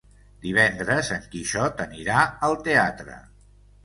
Divendres en Quixot anirà al teatre.